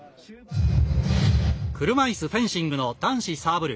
車いすフェンシングの男子サーブル。